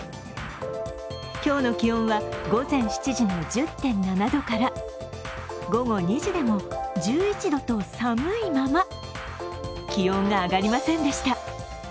今日の気温は、午前７時の１０．７度から午後２時でも１１度と寒いまま、気温が上がりませんでした。